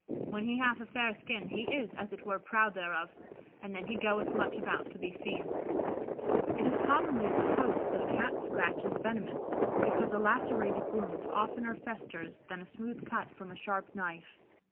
When he hathe a fayre skinne, he is, as it were, proude thereof, and then he goethe muche aboute to be seene." It is commonly supposed that a Cat's scratch is venomous, because a lacerated wound oftener festers than a smooth cut from a sharp knife.